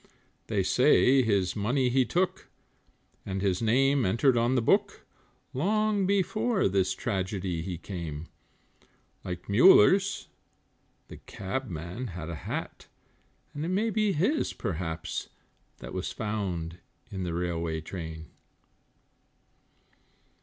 They say his money he took, and his name entered on the book, Long before this tragedy he came; Like Muller's, the Cabman had a hat, and it may be his, perhaps That was found in the railway train.